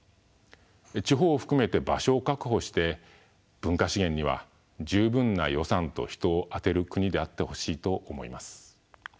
地方を含めて場所を確保して文化資源には十分な予算と人を充てる国であってほしいと思います。